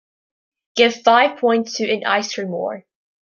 Give five points to An Ice-Cream War